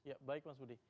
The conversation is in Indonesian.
ya baik mas budi